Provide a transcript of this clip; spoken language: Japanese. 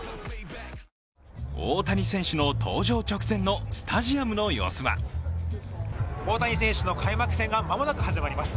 大谷選手の登場直前のスタジアムの様子は大谷選手の開幕戦が間もなく始まります。